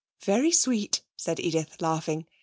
'Very sweet,' said Edith, laughing.